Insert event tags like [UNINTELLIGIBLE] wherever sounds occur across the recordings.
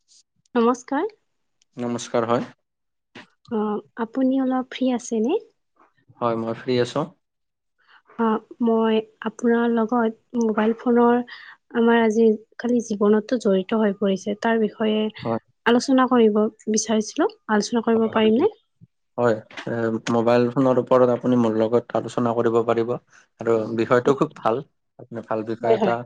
[UNINTELLIGIBLE] নমস্কাৰ। নমস্কাৰ, হয়। অহ, আপুনি অলপ ফ্ৰী আছেনে? হয়, মই ফ্ৰী আছোঁ। অহ, মই আপোনাৰ লগত মোবাইল ফোনৰ আমাৰ আজিকালি জীৱনতো জড়িত হৈ পৰিছে তাৰ বিষয়ে বিষয়ে হয়, আলোচনা কৰিব বিচাৰিছিলোঁ। আলোচনা কৰিব পাৰিমনে? [UNINTELLIGIBLE] হয়, মোবাইল ফোনৰ ওপৰত আপুনি মোৰ লগত আলোচনা কৰিব পাৰিব আৰু বিষয়টো খুব ভাল। আপুনি ভাল বিষয় হয়, হয়, এটা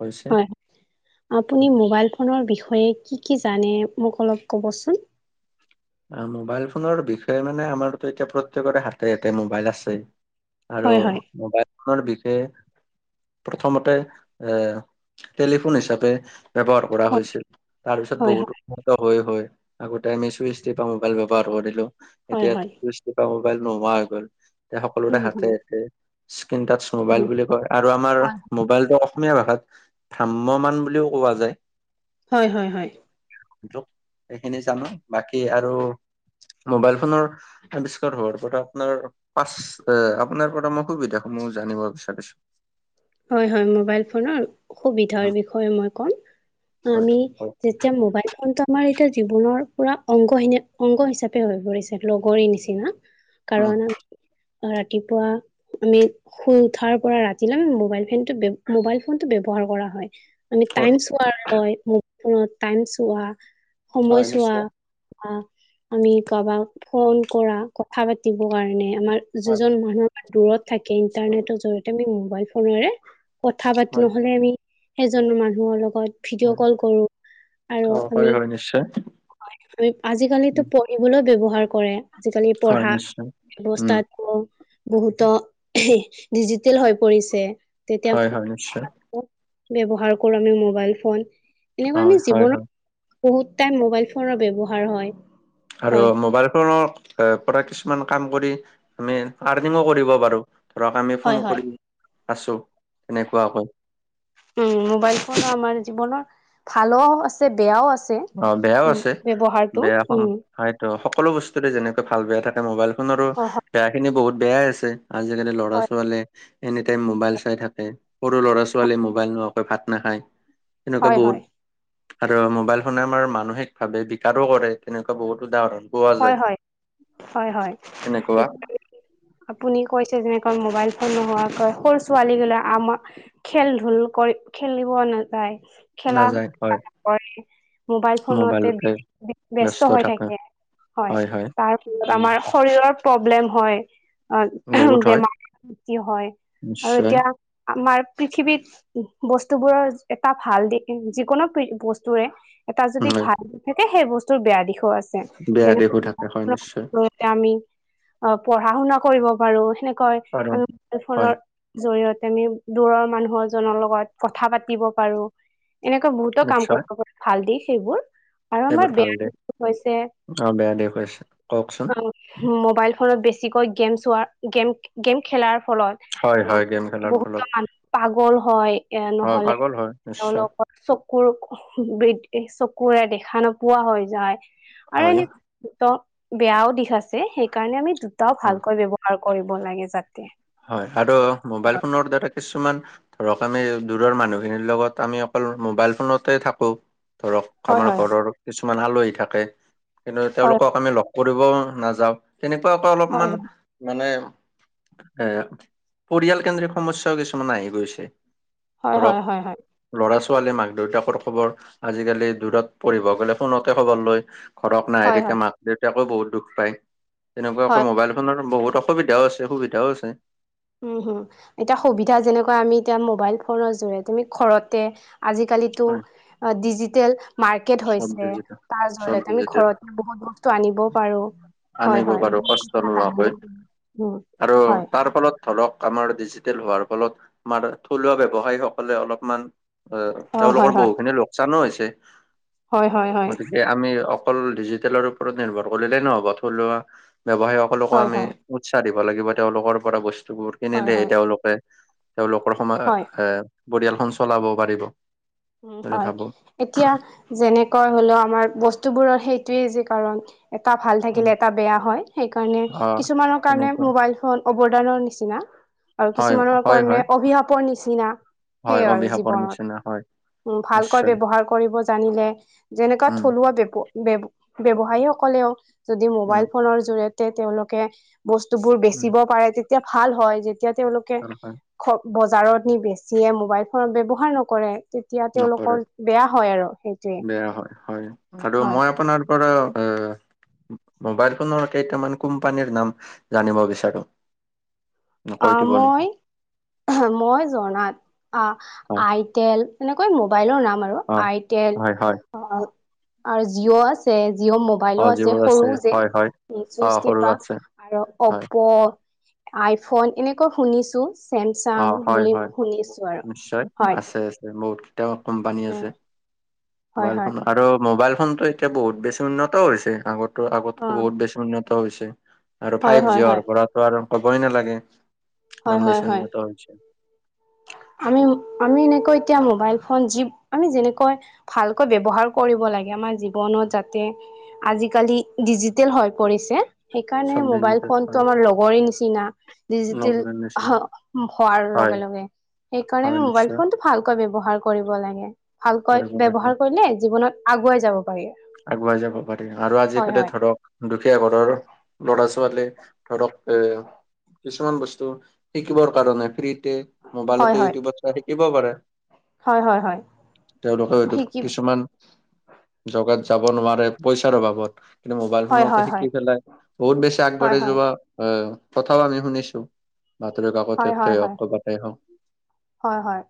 কৈছে। হয়। আপুনি মোবাইল ফোনৰ বিষয়ে কি কি জানে মোক অলপ ক'বচোন? মোবাইল ফোনৰ বিষয়ে মানে আমাৰতো এতিয়া প্ৰত্যেকৰে হাতে-হাতে মোবাইল আছে। আৰু হয়, হয়। মোবাইল ফোনৰ বিষয়ে প্ৰথমতে এ টেলিফোন হিচাপে ব্যৱহাৰ কৰা হয়, হৈছিল। তাৰপিছত হয়, বহুতো হয়, উন্নত হয়-হয় আগতে আমি চুইচ চুইছটিপা মোবাইল ব্যৱহাৰ কৰিলোঁ, হয়, এতিয়া হয়। চুইছটিপা মোবাইল নোহোৱা হৈ গ'ল। সকলোৰে উম, হাতে হয়, এতে স্কন টাচ মোবাইল উম। বুলি কয় আৰু আমাৰ মোবাইলটো অসমীয়া ভাষাত ভ্ৰাম্য মমান বুলিও কোৱা যায়। হয়, হয়, হয়। সেইখিনি জানো বাকী আৰু মোবাইল ফোনৰ হোৱাৰ পৰা আপোনাৰ পাচ আপোনাৰ পৰা মই সুবিধাস সমহ জানিব বিচাৰিছো। হয়, হয় মবাইল ফোনৰ সুবিধাৰ উম বিষয়ে মই কম হয় আমি হয় যেতিয়া মোবাইল ফোন টো আমাৰ এতিয়া জীৱনৰ পুৰা অংগহনে অংগ হিচাপে হৈ পৰিছে। ত লগৰ নিচিনা। উম কাৰণ আ ৰাতিপুৱা আমি শুই উঠাৰ পৰা ৰাতিলে আ বহত মবালইফোনো টো মবালই ফোন টো ব্যৱহাৰ কৰা হয় আৰু হয় টাইমছ চোৱা হয়। টাইম চোৱা হয় সময় চোৱা নিশ্চয় আমি কাৰবাক ফোন কৰা কথা পাতিব কাৰণে আমাৰ হয় যিজন মানুহ আমাৰ দূৰত থাকে ইন্টাৰনেটৰ জৰিয়তে আমি মোবাইল ফোনেৰে কথা পাতো হয় নহ'লে আমি সেইজন মানুহৰ লগত হয়। ভিডিঅ' কল কৰো আৰু অ হয় আমি হয় নিশ্চয় আজিকালিতো উম পঢ়িবলৈ ব্ৱহাৰ কৰে আজিকালি হয় পঢ়া নিশ্চয় উম বৱস্থাত বহুতো ডিজিটেল হৈ পৰিছে। তেতিয়া হয় হয় নিশ্চয় ব্য্ৱহাৰ কৰো আমি মোবাইল ফোন। তেনেকুৱা আমি হয় হয় হয় জীৱনৰত বহুত টাইম মোবাইল ফোনৰ ব্য্ৱহাৰ হয়। আৰু হয়, মোবাইল ফোনৰ এ পৰা কিছুমান কাম কৰি আমি আৰ্নিঙো কৰিব পাৰো। ধৰক আমি হয়, ফোন হয়। কৰি আছো তেনেকুৱাকৈ। উম, মোবাইল ফোন আমাৰ জীৱনৰ ভালো আছে বেয়াও আছে। অ বেয়াও উ, আছে ব্য্ৱহাৰতটো বেয়া কম উম, হয়তো সকলো বস্তুৰে যেনেকৈ ভাল বেয়া থাকে মোবাইল ফোনৰো অ' হয়, বেয়া খিনি বহুত বেয়াই আছে। আজিকালি ল'ৰা হয়, ছাল এনি টাইম মোবাইল চাই থাকে সৰু ল'ৰা ছোৱালীয়ে মোবাইল নোহোৱাকৈ ভাত নাখায়। তেনেকুৱা হয়, হয়, বহুত আৰু মোবাইল আমাৰ মানসিক ভাৱে বিকাৰো কৰে তেনেকুৱা বহুত উদাহৰণ। পোৱা হয়, যায়। হয়, হয়, হয়। এনেকুৱা আপুনি কৈছে যেনেক মোবাইল ফোন নোহোৱাকৈ সৰু ছোৱালী গিলা আমাক খেল ধল কৰি খেলিব নাযায় খেলা নাযায় হয় ধা ন কৰে। মোবাইল ফোনতে মোবাইলতে ব্যস্ত হৈ থাকে। হয় তাৰপিছ উম। আমাৰ শৰীৰৰ প্ৰব্লেম হয়। অ' বহুত হয় বেমাৰ্তি হয় আৰু নিশ্চয় এতিয়া আমাৰ পৃথিৱীত বস্তুবোৰৰ এটা ভাল দি যিকোনো বস্তুৰে এটা যদি হয় ভাল নাথাকে সেই বস্তুৰ বেয়া দিশও আছে বেয়া যেনেক দিশো থাকে হয় নিশ্চয় [UNINTELLIGIBLE] আমি অ' পঢ়া শুনা কৰিব পাৰো সেনেকৈ আৰু আমি মোবাইল হয় ফোনৰ জৰিয়তে আমি দূৰৰ মানুহজনৰ লগত কথা পাতিব পাৰো। এনেকুৱা বহুতো কাম নিশ্চয় কৰিব পাৰে ভাল দিশ সেইবোৰ আৰু সেইবোৰ আমাৰ ভাল বেয়া দে দিশ হৈছে অ' বেয়া দেখুৱাইছে কওকচোন। মোবাইল ফোনত বেছিকৈ গেম চোৱাৰ গেম গেম খেলাৰ ফলত হয় অ' হয় গেম খেলাৰ ফলত বহুতো মানুহ পাগল হয় এ অ নহলে পাগল হয় নিশ্চয় তেওঁলোকৰ চকুৰ বৃদ্ধি চকুৰে দেখা নোপোৱা হৈ যায়। আৰু হয়। এনেত বেয়াও দিশ আছে সেইকাৰণে আমি দুটাও অ ভালকৈ ব্য্ৱহাৰ কৰো। কৰিব লাগে যাতে। হয় আৰু মোবাইল ফোনৰ দ কিছুমান ধৰক আমি দূৰৰ মানুহখিনিৰ লগত আমি অকল মোবাইল ফোনতে থাকো। ধৰক আমাৰ ঘৰৰ কিছুমান আলহী থাকে কিন্তু হয়, তেওঁলোকক আমি লগ কৰিব নাযাও তেনেকুৱা আকৌ অলপমান মানে এ পৰিয়াল কেন্দ্ৰিক সমস্যাও কিছুমান আহি গৈছে। হয়, হয়, হয়, হয়। ল'ৰা-ছোৱালীয়ে, মাক-দেউতাকৰ খবৰ আজিকালি দূৰত পঢ়িব গ'লে ফোনতে খবৰ লৈ ঘৰত নাহে হয়, থাকে হয়, মাক, দেউতাকো বহুত দুখ পায়। হয়, তেনেকুৱাকৈ মোবাইল ফোনত বহুত অসুবিধাও আছে, সুবিধাও আছে। উম, হুম, এতিয়া সুবিধা যেনেকুৱা আমি এতিয়া মোবাইল ফোনৰ জৰিয়তে তুমি ঘৰতে আজিকালি হয়, ত' ডিজিটেল মাৰ্কেট চব হৈছে। ডিজিটেল তাৰ চব জৰিয়তে আমি ডিজিটেল। ঘৰতে বহুত বহুত টো আনিবও পাৰোঁ। হয়, আনিব হয়, পাৰো কষ্ট নোহোৱাকৈ পাৰো। উম, আৰু হয়, তাৰ ফলত ধৰক আমাৰ ডিজিটেল হোৱাৰ ফলত আমাৰ থলুৱা ব্যৱসায়ীসকলে অলপমান অ', হয়, তেওঁলোকৰ হয়, বহুখিনি লোকচানো হৈছে হয়, হয়, হয়, গতিকে আমি অকল ডিজিটেলৰ ওপৰত নিৰ্ভৰ কৰিলে নহ'ব থলুৱা ব্যৱসায়ীসকলকো হয়, আমি হয়, উৎসাহ দিব লাগিব। তেওঁলোকৰ পৰা বস্তুবোৰ হয়, কিনিলেহ হয়, তেওঁলোকে তেওঁলোকৰ সময় হয়, এ, পৰিয়ালখন চলাব পাৰিব। উ, বুলি হয় ভাবো এতিয়া যেনেকা হলেও আমাৰ বস্তুবোৰৰ সেইটোয়েই যে কাৰণ এটা ভাল উম থাকিলে এটা বেয়া হয় সেইকাৰণে অ কিছুমানৰ কাৰণে তেনেকুৱা মোবাইল ফোন অৱদানৰ নিচিনা আৰু হয় কিছুমানৰ হয় কাৰণে হয় অভিশাপৰ নিচিনা হয় সেইয় আৰু অবিহাপৰ জীৱনত নিচনা হয়। উ, ভালকৈ নিশ্চয় ব্যৱহাৰ কৰিব জানিলে যেনেকুৱা, উম থলুৱা ব বৱ-ব্যৱসায়ী সকলেও যদি উম মোবাইল ফোনৰ জৰিয়তে তেওঁলোকে বস্তুবোৰ উম বেচিব পাৰে তেতিয়া ভাল হয় যেতিয়া তেওঁলোকে হয় হয় খ, বজাৰত নি বেছিয়ে মোবাইল ফোনত ব্যৱহাৰ নকৰে। তেতিয়া নকৰে তেওঁলোকৰ বেয়া হয় আৰু সেইটোৱে বেয়া হয় হয় আৰু হয়। [INAUDIBLE] মোবাইল ফোনৰ কেইটামান কোম্পানীৰ নাম জানিব বিচাৰো। কৈ দিব নেকি আমই মই জনাত আ, হয় আইটেল এনেকৈ মোবাইলৰ নাম অ আছে। হয় হয় [UNINTELLIGIBLE] জঅ' আ জিঅ' অ মোবাইলো যিবোৰ আছে সৰুও যে হয় হয় অ সৰু চুইটিপা আছে আৰু হয় অপ্প' আইফোন এনেকুৱা শুনিছো অ চেমচাং হয় বুলি হয় ম শুনিছো আৰু নিশ্চয় হয়। আছে আছে বহুত কেইটাাম কোম্পানী উম আছে হয় মোবাইল হয় ফোন আৰু মোবাইল ফোন এতিয়া বহুত বেছি উন্নতও হৈছে আগতো, আগতো অ বহুত বেছি উন্নত হৈছে। আৰু হয় ফাইভ জি হয় হয় পৰাটো আৰু কবই নালাগে হয় ইমান হয় বেছি হয় উন্নত হৈছে। আমি, আমি এনেকৈ এতিয়া মোবাইল ফোন যি আমি যেনেকৈ ভালকৈ ব্যৱহাৰ কৰিব লাগে আমাৰ জীৱনত যাতে আজিকালি ডিজিটেল হৈ পৰিছে। সেইকাৰণে চব মোবাইল ডিজিটেল হয় ফোনতটো আমাৰ লগৰে নিচিনা। ডিজিটেল নগৰৰ নিচিনা। হোৱাৰ হয় লগে, লগে সেইকাৰণে হয় আমি মোবাইল নিশ্চয় ফোনটো ভালকৈ ব্যৱহাৰ কৰিব লাগে ভালকৈ কৰিব লাগে ব্যৱহাৰ কৰিলে জীৱনত আগুৱাই যাব পাৰি। আগুৱাই যাব পাৰি আৰু হয় আজিকালি হয় ধৰক দুখীয়া ঘৰৰ ল'ৰা, ছোৱালী ধৰক এ কিছুমান বস্তু শিকিবৰ কাৰণে ফ্ৰীতে হয় মোবাইলতে হয় ইউটিউবত চাই শিকিব পাৰে হয় হয় হয় তেওঁলোকে হয়তো শিকি কিছুমান জেগাত যাব নোৱাৰে পইচাৰ অভাবত। কিন্তু মোবাইলতো হয় লওঁতে হয় হয় শিকি পেলাই বহুত বেছি হয় আগবাঢ়ি হয় যোৱা আহ, কথাও আমি শুনিছোঁ বাতৰি হয় হয় কাকততে অ হয় কবাতে হওঁক, হয়, হয়,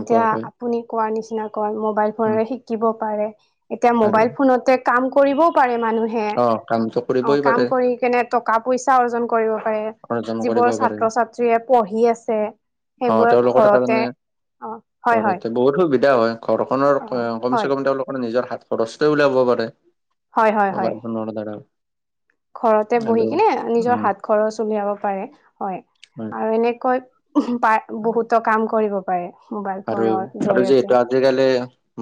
এতিয়া আপুনি কোৱাৰ নিচিনা কৈ মোবাইল ফোনেৰে শিকিব পাৰে। এতিয়া আৰে মোবাইল ফোনতে কাম কৰিবও পাৰে মানুহে। অ কামটো অ, কৰিবই পাৰে কাম কৰি কেনে টকা পইচা অৰ্জন কৰিব পাৰে। অৰ্জন কৰিব যিবোৰ পাৰে ছাত্ৰ ছাত্ৰীয়ে পঢ়ি আছে অ সেইবোৰক তেওঁলোকৰ ঘৰতে কাৰণে অ, হয়, হয়। ঘৰতে বহুত সুবিধা হয় ঘৰখনৰ অ ক কমচে হয় কম তেওঁলোকৰ নিজৰ হাত খৰচটোই উলিয়াব পাৰে। হয় হয় হয় মোবাইল ফোনৰ দ্বাৰা, ঘৰতে বহি আৰু কিনে উম নিজৰ হাত খৰচ উলিয়াব পাৰে হয়, হয় আৰু এনেকৈ বহুতো কাম কৰিব পাৰে। মোবাইল আৰু ফোনৰ আৰু যিহেতু জৰিয়তে। আজিকালি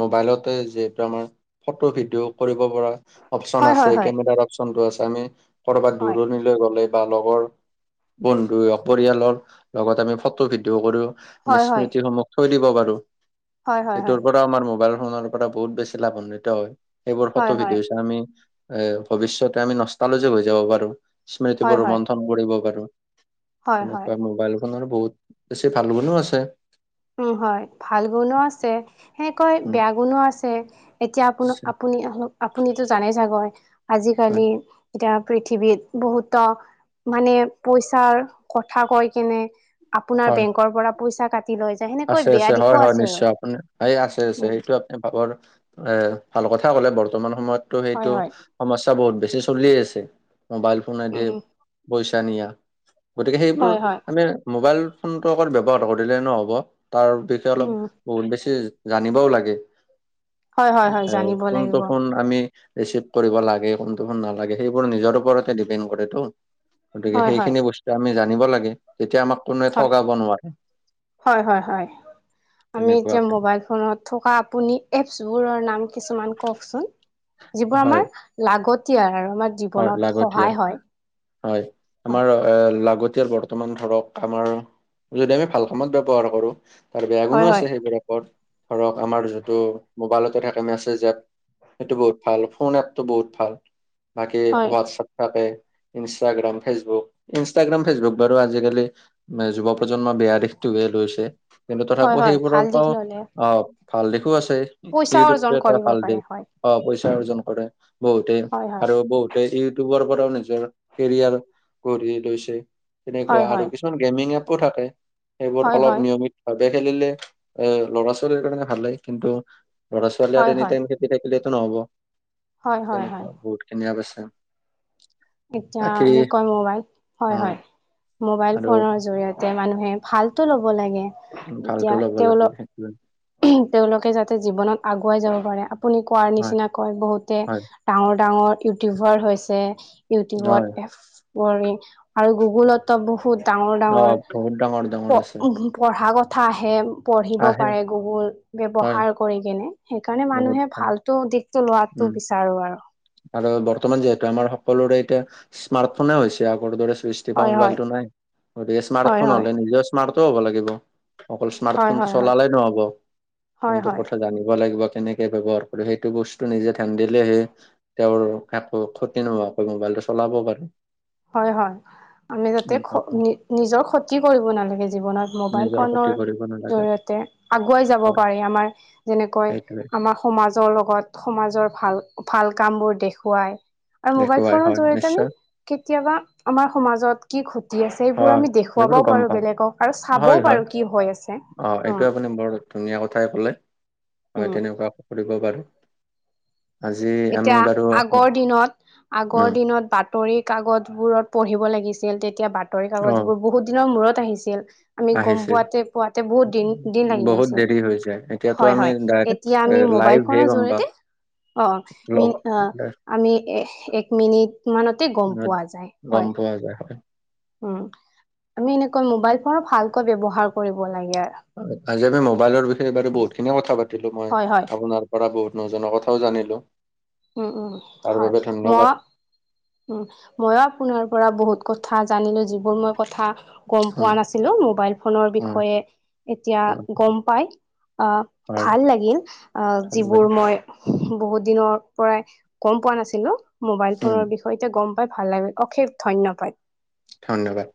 মোবাইলতে যিহেতু আমাৰ ফটো ভিডিঅ' কৰিব পৰা, অপচন হয় আছে হয় হয় কেমেৰাৰ অপচনটো আছে আমি কৰবাত হয় দূৰণি লৈ গ'লে বা লগৰ বন্ধু পৰিয়ালৰ লগত আমি ফটো ভিডিঅ' কৰো। আমি হয় হয় স্মৃতিসমূহক থৈ দিব পাৰো। হয় হয় হয় সেইটোৰ ওপৰত আমাৰ মোবাইল ফোনৰ পৰা বহুত বেছি লাভান্বিত হয় সেইবোৰ হয় ফটো হয় ভিডিঅ চাই আমি এ, ভৱিষ্যতে আমি নষ্টালজিক হৈ যাব পাৰো হয় স্মৃতিবোৰ হয় ৰোমন্থন কৰিব পাৰো। হয় হয় এনেকুৱা মোবাইল খনৰ বহুত বেছি ভাল গুনো আছে। উম, হয় ভাল গুণো আছে সেনেকৈ উম, বেয়া গুণো আছে। এতিয়া আপোন আপুনি আপুনিতো জানে চাগৈ হয়, আজিকালি এতিয়া পৃথিৱীত, বহুতো মানে পইচাৰ কথা কৈ কেনে, আপোনাৰ হয়। বেংকৰ পৰা পইচা কাটি লৈ যায় সেনে আছে আছে হয় হয় নিশ্চয় আপোনি এই আছে আছে উম সেইটো ভাবৰ এ ভাল কথাই ক'লে বৰ্তমান সময়তটো হয় সেইটো হয় সমস্যা বহুত বেছি চলিয়ে আছে মোবাইল ফোনে দি উম পইচা নিয়া। গতিকে সেইবোৰ হয় হয় আমি মোবাইল ফোনটো অকল ব্যৱহাৰ কৰিলে নহ'ব তাৰ উদ্দেশ্যে অলপ উম বহুত বেছি জানিবও লাগে হয় হয় আ হয় এ জানিব কোনটো লাগিব ফোন আমি ৰিচিভ কৰিব লাগে কোনটো ফোন নালাগে সেইবোৰ নিজৰ ওপৰতে ডিপেণ্ড কৰেটো। গতিকে হয় হয় সেইখিনি বস্তু আমি জানিব লাগে তেতিয়া আমাক কোনোৱে হয় ঠগাব নোৱাৰে। হয়, হয়, হয়, আমি এতিয়া তেনেকুৱাকে। মবাইল ফোনত থকা আপুনি এপচবোৰৰ নাম কিছুমান কওঁকচোন যিবোৰ হয়, আমাৰ লাগতিয়াল আৰু আমাৰ হয়, জীৱনত লাগতিয়াল সহায় হয়। হয়, হয় আমাৰ এ লাগতিয়াল বৰ্তমান ধৰক আমাৰ যদি আমি ভাল কামত ব্যৱহাৰ কৰো আৰু বেয়া হয় গুণো আছে সেইবোৰৰ ধৰক আমাৰ যিটো মোবাইলতে থাকে আমি আছে যে। সেইটো বহুত ভাল ফোন এপটো বহুত ভাল। বাকী হয় হোৱাটছএপ থাকে, ইনষ্টাগ্ৰাম, ফেচবুক, ইনষ্টাগ্ৰাম, ফেচবুক বাৰু আজিকালি নাই, যুৱ-প্ৰজন্মৰ বেয়া দিশটোৱে লৈছে কিন্তু হয় হয় তথাপিও হয় ভাল সেইবোৰৰ দিশ পৰাও ললে আঁহ ভাল দিশো আছে, পইচা ইউটিউবটো অৰ্জন এটা কৰিব ভাল পাৰে দিশ হয় আঁহ' পইচা অৰ্জন কৰে বহুতেই। হয় হয় বহুতে ইউটিউবৰ পৰাও নিজৰ কেৰিয়াৰ গঢ়ি লৈছে, তেনেকুৱা হয় আৰু হয় কিছু গেমিং এপো থাকে, সেইবোৰ হয় অলপ হয় নিয়মিত ভালকে খেলি'লে এ' ল'ৰা-ছোৱালীৰ কাৰণে ভালেই কিন্তু ল'ৰা-ছোৱালী আৰু হয় এনি হয় টাইম শুই থাকিলেতো নহ'ব, হয় হয় হয় তেনেকুৱা বহুতখিনি আপ আছে। এতিয়া বাকী এনেকুৱা মোবাইল, উম হয়-হয়। মোবাইল আৰু ফোনৰ জৰিয়তে এতিয়া মানুহে ভালতো ল'ব লাগে। ভালটো এতিয়া ল'ব তেওঁলোক [INAUDIBLE] তেওঁলোকে যাতে জীৱনত আগুৱাই যাব পাৰে আপুনি কোৱাৰ হয় নিচিনা কয় বহুতে হয় ডাঙ, ৰ ডাঙৰ ইউটিউবাৰ হৈছে ইউটিউবত হয় এফ কৰি আৰু গুগুলতো বহুত ডাঙৰ, অ ডাঙৰ বহুত ডাঙৰ ডাঙৰ আছে পঢ়া কথা আহে পঢ়িব আহে পাৰে গুগুল হয় ব্যৱহাৰ কৰিকনে। সেইকাৰণে বহুত মানুহে ভাল। ভালতো দিশতটো লোৱাতো উম বিচাৰো আৰু। আৰু বৰ্তমান যিহেতু আমাৰ সকলোৰে এতিয়া স্মাৰ্টফোনে হৈছে আগৰ দৰেই ৰাপা হয় হয় মোবাইলটো নাই, গতিকে হয় স্মাৰ্টফোন হয় হলে নিজেও স্মাৰ্টো হ'ব লাগিব। অকল স্মাৰ্ট হয় ফোনটো হয় হয় হয় চলালে নহব, হয় ফোনটোৰ হয়। কথা জানিব লাগিব কেনেকে ব্যৱহাৰ কৰো সেইটো বস্তু নিজে ধ্যান দিলেহে তেওঁৰ একো ক্ষতি নোহোৱাকৈ মোবাইলটো চলাব পাৰে। হয়, হয়। আমি যাতে নিজৰ ক্ষতি কৰিব নালাগে জীৱনত মোবাইল নিজৰ ক্ষতি ফোনৰ কৰিব নালাগে জৰিয়তে, আগুৱাই যাব হয় পাৰি আমাৰ যেনেকৈ সেইটোৱে আমাৰ সমাজৰ লগত সমাজৰ ভাল ভাল কামবোৰ দেখুৱায়। আৰু মোবাইল দেখুৱাই ফোনৰ হয় জৰিয়তে, আমি নিশ্চয় কেতিয়াবা আমাৰ সমাজত কি ক্ষতি আছে সেইবোৰ হয় আমি এইবোৰতো দেখুৱাবও গম পাৰো পাওঁ বেলেগক আৰু চাবও হয় হয় পাৰো কি হৈ আছে। অ' উম এইটো আপুনি বৰ ধুনীয়া কথাই ক'লে হয়, উম তেনেকুৱা কৰিব পাৰো। আজি আমি এতিয়া, বাৰু আগৰ দিনত আগৰ উম দিনত বাট বাতৰি কাগজ বোৰত পঢ়িব লাগিছিল, তেতিয়া বাতৰি অ কাগজবোৰ বহুত দিনৰ মূৰত আহিছিল। আমি গম আহিছিল পোৱাতে পোৱাতে বহুত দিন দিন লাগি বহুত গৈছিল, দেৰি হৈ যায় এতিয়াতো হয় আমি হয় ডাইৰেক্ট এতিয়া আমি মোবাইল লাইভহে ফোনৰ গম পাওঁ জৰিয়তে, অ'। িন লগত আমি এ এক মিনিট মানতে গম পোৱা যায়, গম হয়। পোৱা যায়, হয়। উম, আমি এনেকৈ মোবাইল ফোন ভালকৈ ব্য্ৱহাৰ কৰিব লাগে আৰু। আজি আমি মোবাইলৰ বিষয়ে বাৰু বহুত খিনিয়ে কথা পাতিলো, মই হয় হয় আপোনাৰ পৰা বহুত নহজনা কথাও জানিলো। উম উম, তাৰ হয়, বাবে মই ধন্যবাদ উম, মইও আপোনাৰ পৰা বহুত কথা জানিলো যিবোৰ মই কথা গম পোৱা হয় নাছিলো, মোবাইল ফোনৰ হয় বিষয়ে, এতিয়া হয় গম পাই আহ, হয় ভাল লাগিল, আহ ধন্যবাদ যিবোৰ মই বহুত দিনৰ পৰাই, গম পোৱা নাছিলো, মোবাইল হুম ফোনৰ বিষয়তে গম পাই ভাল লাগিল, অশেষ ধন্যবাদ। ধন্যবাদ।